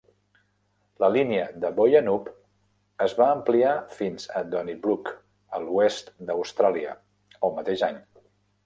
La línia de Boyanup es va ampliar fins a Donnybrook, a l'oest d'Austràlia, el mateix any.